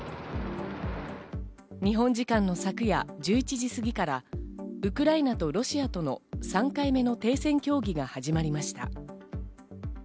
日本時間の昨夜１１時過ぎからウクライナとロシアとの３回目の停戦協議が始まりました。